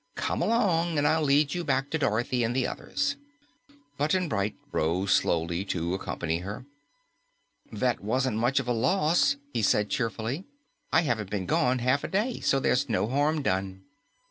Come along, and I'll lead you back to Dorothy and the others." Button Bright rose slowly to accompany her. "That wasn't much of a loss," he said cheerfully. "I haven't been gone half a day, so there's no harm done."